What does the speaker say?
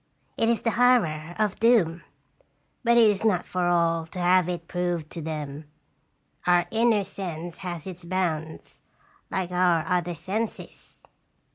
It is the horror of Doom. But it is not for all to have it proved to them. Our inner sense has its bounds, like our other senses."